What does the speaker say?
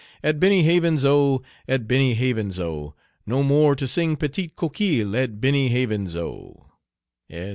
At Benny Havens' O, at Benny Havens' O, No more to sing petite coquille at Benny Havens' O, etc.